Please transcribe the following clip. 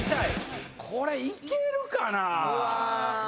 これ行けるかな？